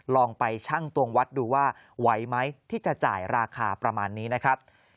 ลองไปชั่งตรงวัดดูว่าไหวไหมที่จะจ่ายราคาประมาณนี้นะครับ